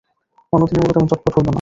অন্যদিনের মতো তেমন চটপট হইল না।